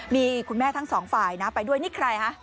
มีคุณแม่ทั้งสองฝ่ายนะไปด้วยนี่ใครฮะ